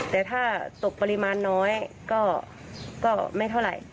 แต่ถ้าตกปริมาณน้อยก็ไม่เท่าไหร่